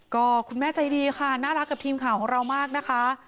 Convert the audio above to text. ก็คุณแม่ใจดีค่ะน่ารักกับทีมข่าวของเรามากนะคะ